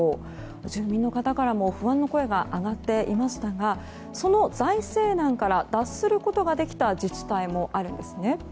住民の方からも不安の声が上がっていましたがその財政難から脱することができた自治体もあるんですね。